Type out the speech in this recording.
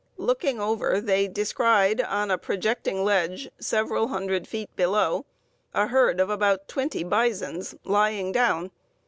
Looking over, they descried, on a projecting ledge several hundred feet below, a herd of about 20 bisons lying down.